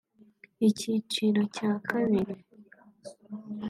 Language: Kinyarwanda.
Icyiciro cya Kabiri